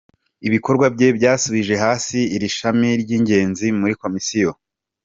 Ibikorwa bye byasubije hasi iri shami ry’ingenzi muri Komisiyo.